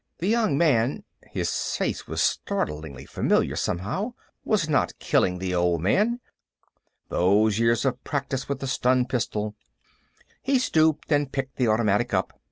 The young man his face was startlingly familiar, somehow was not killing the old man. Those years of practice with the stun pistol.... He stooped and picked the automatic up.